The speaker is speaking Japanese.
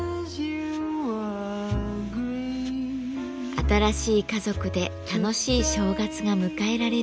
新しい家族で楽しい正月が迎えられるように。